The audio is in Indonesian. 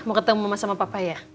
mau ketemu mama sama papa ya